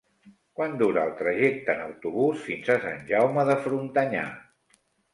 Quant dura el trajecte en autobús fins a Sant Jaume de Frontanyà?